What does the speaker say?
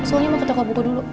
soalnya mau ke toko buku dulu